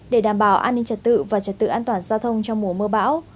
để đảm bảo an ninh trật tự và trật tự an toàn giao thông trong mùa mưa bão